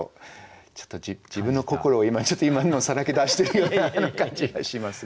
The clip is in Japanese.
ちょっと自分の心を今さらけ出しているような感じがしますが。